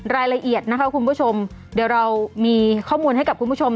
รายละเอียดนะคะคุณผู้ชมเดี๋ยวเรามีข้อมูลให้กับคุณผู้ชม